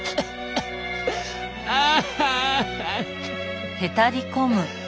ああ。